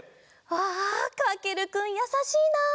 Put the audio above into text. うわかけるくんやさしいな！